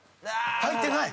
入ってない？